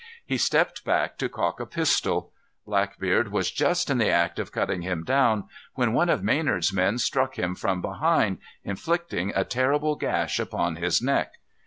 He stepped back to cock a pistol. Blackbeard was just in the act of cutting him down, when one of Maynard's men struck him from behind, inflicting a terrible gash upon his neck.